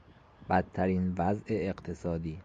بدترین وضع اقتصادی